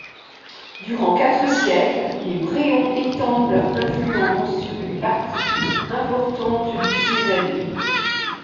Durant quatre siècles, les Bréon étendent leur influence sur une partie importante du Cézallier.